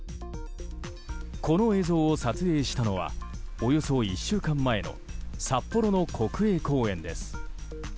この映像を撮影したのはおよそ１週間前の札幌の国営公園です。